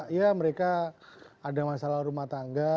ya mereka ada masalah rumah tangga